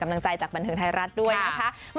กำลังใจจากบันเทิงไทยรัฐด้วยนะคะ